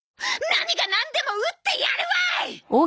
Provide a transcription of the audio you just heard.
何がなんでも打ってやるわい！